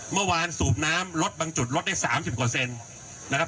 เมื่อวานสูบน้ำลดบางจุดลดได้๓๐กว่าเซนนะครับ